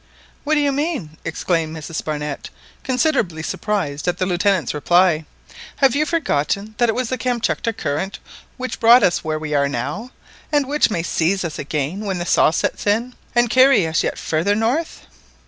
"What do you mean?" exclaimed Mrs Barnett, considerably surprised at the Lieutenant's reply. "Have you forgotten that it was the Kamtchatka Current which brought us where we now are, and which may seize us again when the thaw sets in and carry us yet farther north?"